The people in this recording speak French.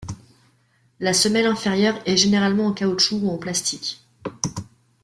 La semelle inférieure est généralement en caoutchouc ou en plastique.